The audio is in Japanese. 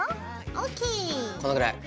このぐらい。